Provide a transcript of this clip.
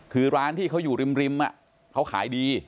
คือร้านที่เขาอยู่ริมเขาขายดี